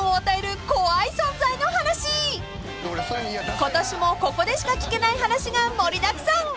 ［今年もここでしか聞けない話が盛りだくさん］